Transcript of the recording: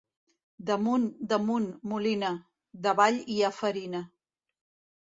Damunt, damunt, molina; davall hi ha farina.